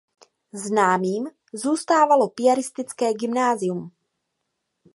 Známým zůstávalo piaristické gymnázium.